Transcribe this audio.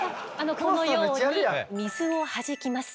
このように水をはじきます。